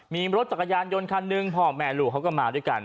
มีรถจักรยานยนต์คันหนึ่งพ่อแม่ลูกเขาก็มาด้วยกัน